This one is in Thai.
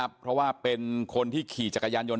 บอกว่าเป็นใคร